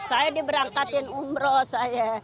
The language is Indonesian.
saya diberangkatin umroh saya